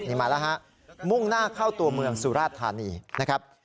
นี่มาแล้วฮะมุ่งหน้าเข้าตัวเมืองสุราชธานีนะครับ